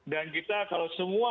dan kita kalau semua